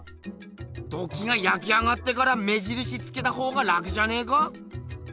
土器が焼き上がってから目じるしつけたほうがラクじゃねえか？